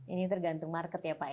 ini tergantung market ya pak ya